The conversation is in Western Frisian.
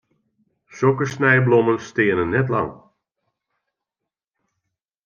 Sokke snijblommen steane net lang.